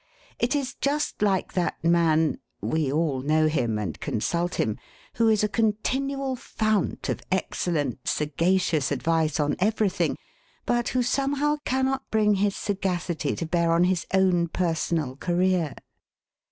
It is just like that man we all know him and consult him who is a continual fount of excellent, sagacious advice on everything, but who somehow cannot bring his sagacity to bear on his own personal career.